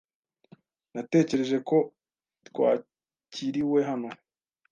Natekereje ko twakiriwe hano.